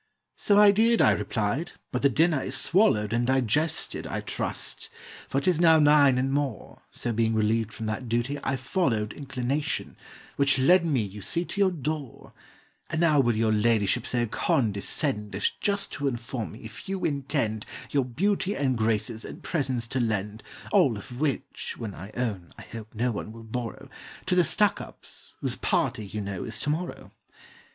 "So I did," I replied; "but the dinner is swallowed And digested, I trust, for 'tis now nine and more, So being relieved from that duty, I followed Inclination, which led me, you see, to your door; And now will your ladyship so condescend As just to inform me if you intend Your beauty and graces and presence to lend (All of which, when I own, I hope no one will borrow) To the STUCKUPS, whose party, you know, is to morrow?"